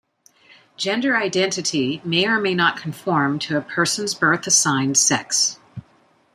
Gender identity may or may not conform to a person's birth assigned sex.